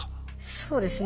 そうですね。